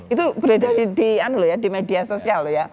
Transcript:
itu berada di media sosial ya